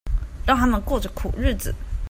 讓他們過著苦日子